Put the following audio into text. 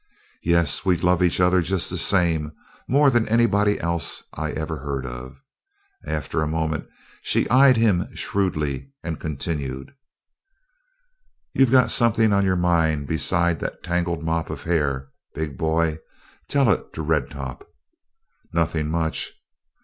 "Yes, we love each other just the same more than anybody else I ever heard of." After a moment she eyed him shrewdly and continued: "You've got something on your mind besides that tangled mop of hair, big boy. Tell it to Red Top." "Nothing much...."